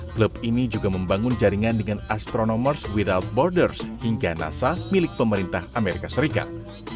klub ini juga membangun jaringan dengan astronomers without borders hingga nasa milik pemerintah amerika serikat